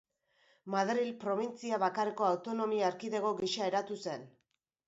Madril probintzia bakarreko autonomia erkidego gisa eratu zen.